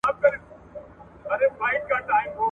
د زمريو په زانګوکي !.